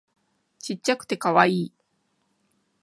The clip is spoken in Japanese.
ちっちゃくてカワイイ